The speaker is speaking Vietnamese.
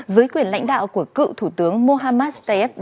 dưới quyền lãnh đạo của cựu thủ tướng mohammed steb